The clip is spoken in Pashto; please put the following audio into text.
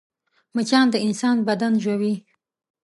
مچان د انسان بدن ژوي